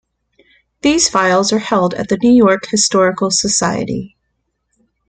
These files are held at the New-York Historical Society.